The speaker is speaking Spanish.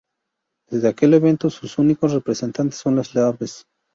Desde aquel evento, sus únicos representantes son las aves.